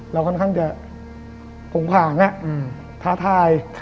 เราค่อนข้างจะผงผางท้าทาย